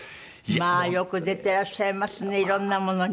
まあよく出てらっしゃいますね色んなものに。